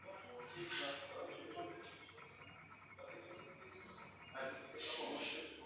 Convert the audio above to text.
Il s'établit au cœur de la forêt de Boixe pour y vivre en ermite.